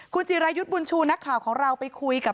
คุณจิรายุทธ์บุญชูนักข่าวของเราไปคุยกับ